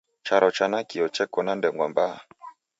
Charo cha nakio cheko na ndengwa mbaha